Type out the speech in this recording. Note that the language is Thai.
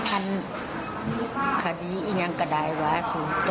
อันคาดีอิงงั้งกระดายวาสูตร